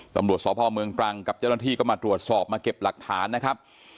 ตำรวจสพเมืองตรังกับเจ้าหน้าที่ก็มาตรวจสอบมาเก็บหลักฐานนะครับ